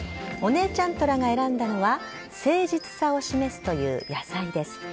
お姉ちゃんトラが選んだのは誠実さを示すという野菜です。